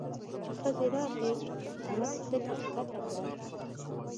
چې ښځې راغلې؛ احمد سترګې کښته کړې.